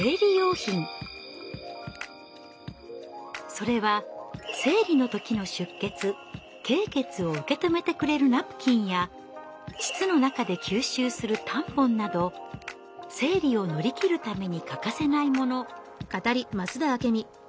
それは生理の時の出血経血を受け止めてくれるナプキンや膣の中で吸収するタンポンなど生理を乗り切るために欠かせないもの。